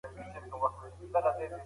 د دواړو خواوو استازي د معاهدې څارنه کوي.